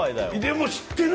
でも、知ってる？